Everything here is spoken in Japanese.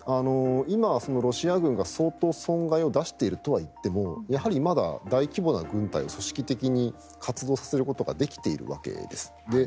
今、ロシア軍が相当損害を出しているといってもやはりまだ、大規模な軍隊を組織的に活動させることができているわけです。